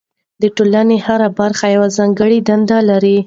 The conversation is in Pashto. د ټولنې هره برخه یوه ځانګړې دنده لري.